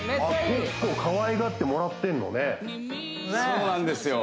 結構かわいがってもらってんのねそうなんですよ